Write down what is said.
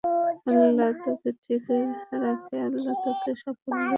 আল্লাহ্ তোকে ঠিক রাখে, আল্লাহ্ তোকে সাফল্য দেয় মা।